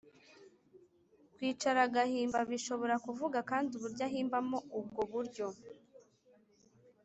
kwicara agahimba bishobora kuvuga kandi uburyo ahimbamo, ubwo buryo